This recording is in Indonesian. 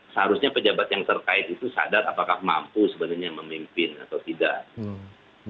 seharusnya pejabat yang terkait itu sadar apakah mampu sebenarnya memimpin atau tidak